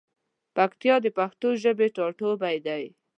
پکتیا د پښتو ژبی ټاټوبی دی.